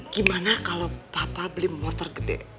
gimana kalau papa beli motor gede